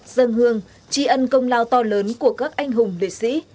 dân hương tri ân công lao to lớn của các anh hùng liệt sĩ